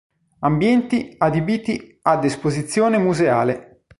Ambienti adibiti ad esposizione museale.